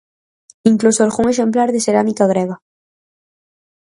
Incluso algún exemplar de cerámica grega.